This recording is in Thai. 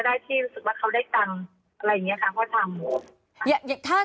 ก็ได้ที่รู้สึกว่าเขาได้จังอะไรแบบนี้ค่ะ